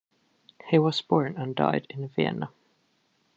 He was born and died in Vienna.